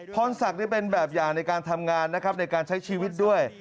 พรศักดิ์เป็นแบบอย่างในการทำงานนะครับในการใช้ชีวิตด้วย